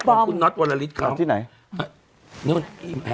ของคุณน๊อตวรรลิสต์เขา